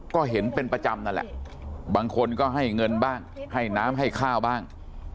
ก็เห็นเป็นประจำนั่นแหละบางคนก็ให้เงินบ้างให้น้ำให้ข้าวบ้าง